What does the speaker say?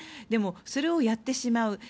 でも、それをやってしまう。